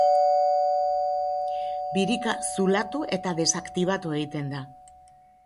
Birika zulatu, eta desaktibatu egiten da.